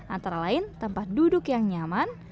antara lain tempat duduk yang nyaman